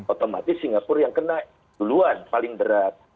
otomatis singapura yang kena duluan paling berat